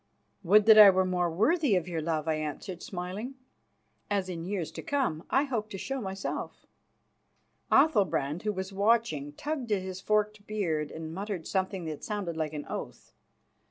"Would that I were more worthy of your love," I answered, smiling, "as in years to come I hope to show myself." Athalbrand, who was watching, tugged at his forked beard and muttered something that sounded like an oath.